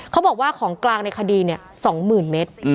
เขาบอกว่าของกลางในคดี๒๐๐๐เมตร